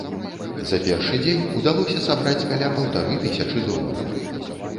За першы дзень удалося сабраць каля паўтары тысячы долараў.